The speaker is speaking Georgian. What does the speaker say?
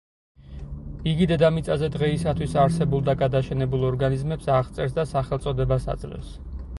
იგი დედამიწაზე დღეისათვის არსებულ და გადაშენებულ ორგანიზმებს აღწერს და სახელწოდებას აძლევს.